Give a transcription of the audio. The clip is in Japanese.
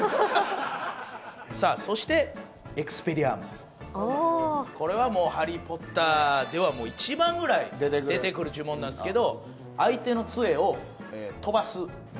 さあそしてこれはもう「ハリー・ポッター」では一番ぐらい出てくる呪文なんすけど相手の杖を飛ばすま